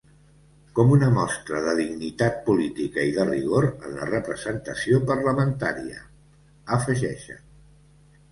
“Com una mostra de dignitat política i de rigor en la representació parlamentària”, afegeixen.